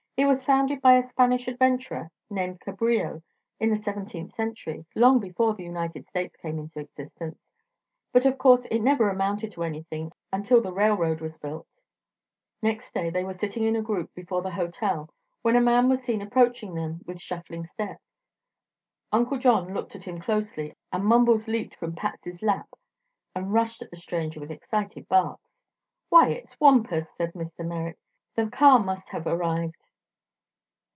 "It was founded by a Spanish adventurer named Cabrillo in the seventeenth century, long before the United States came into existence. But of course it never amounted to anything until the railroad was built." Next day they were sitting in a group before the hotel when a man was seen approaching them with shuffling steps. Uncle John looked at him closely and Mumbles leaped from Patsy's lap and rushed at the stranger with excited barks. "Why, it's Wampus," said Mr. Merrick. "The car must have arrived."